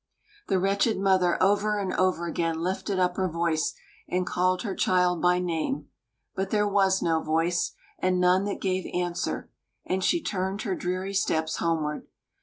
The wretched mother over and over again lifted up her voice and called her child by name, but there was no voice, and none that gave answer, and she turned her dreary steps homeward.